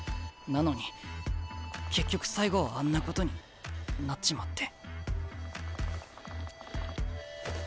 なのに結局最後はあんなことになっちまって。